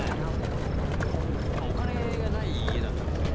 「お金がない家だったんですよ」